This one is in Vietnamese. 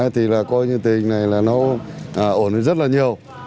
thì là coi như tình hình này là nó ổn định rất là nhiều